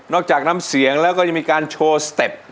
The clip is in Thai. จากน้ำเสียงแล้วก็ยังมีการโชว์สเต็ป